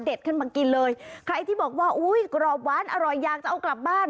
ขึ้นมากินเลยใครที่บอกว่าอุ้ยกรอบหวานอร่อยอยากจะเอากลับบ้าน